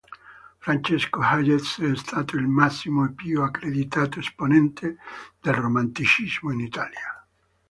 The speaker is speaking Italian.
Francesco Hayez è stato il massimo e più accreditato esponente del Romanticismo in Italia.